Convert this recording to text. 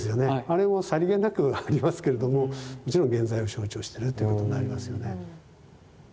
あれもさりげなくありますけれどももちろん原罪を象徴してるということになりますよね。